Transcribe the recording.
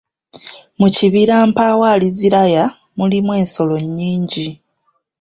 Mu kibira Mpaawaliziraya mulimu ensolo nnyingi.